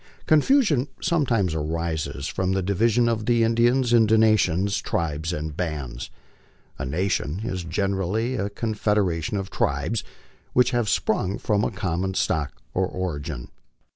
Confusion sometimes arises from the division of the Indians into nations, tribes, and bands. A nation is generally a confederation of tribes which have sprung from a common stock or origin.